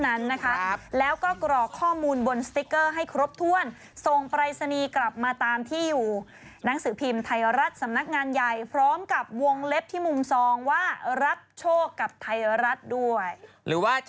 หนูเคยร่วมงานกับพี่มะเดี่ยวค่ะเล่นละครด้วยกัน